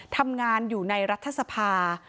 ทำงานอยู่ในรัฐสภา